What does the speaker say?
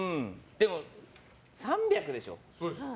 でも、３００でしょ。